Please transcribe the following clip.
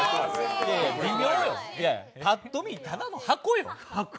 パッと見、ただの箱よ。